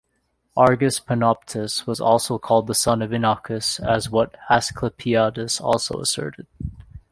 Argus Panoptes was also called the son of Inachus as what Asclepiades also asserted.